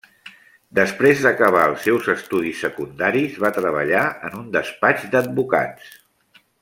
Després d'acabar els seus estudis secundaris va treballar en un despatx d'advocats.